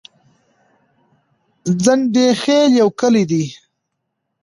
ځنډيخيل يو کلي ده